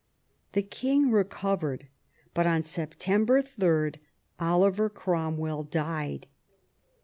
The king recovered, but on September 3 Oliver Cromwell died.